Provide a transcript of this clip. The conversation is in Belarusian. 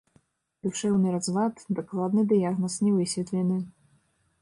Душэўны разлад, дакладны дыягназ не высветлены.